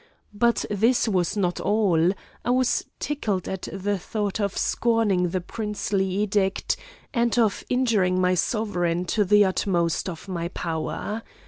But this was not all; I was tickled at the thought of scorning the princely edict, and of injuring my sovereign to the utmost of my power.